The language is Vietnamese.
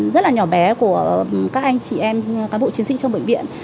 rất là nhỏ bé của các anh chị em cán bộ chiến sĩ trong bệnh viện